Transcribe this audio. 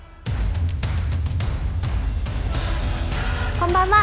こんばんは。